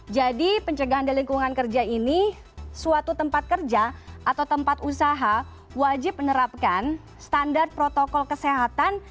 jadi pencegahan di lingkungan kerja ini suatu tempat kerja atau tempat usaha wajib menerapkan standar protokol kesehatan